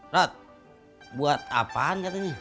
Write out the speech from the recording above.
rat buat apaan katanya